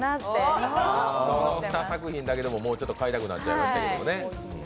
この２作品だけでももう買いたくなっちゃいますけどね。